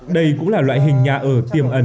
đây cũng là loại hình nhà ở tiềm ẩn